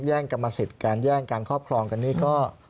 กรรมสิทธิ์การแย่งการครอบครองกันนี่ก็